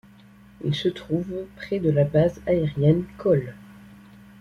Il se trouve près de la base aérienne Col.